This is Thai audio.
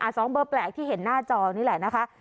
สองเบอร์แปลกที่เห็นหน้าจอนี่แหละนะคะ